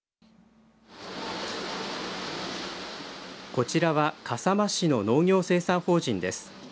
こちらは笠間市の農業生産法人です。